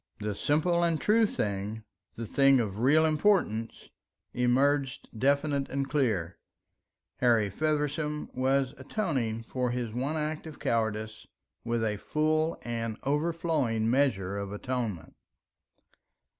The simple and true thing the thing of real importance emerged definite and clear: Harry Feversham was atoning for his one act of cowardice with a full and an overflowing measure of atonement.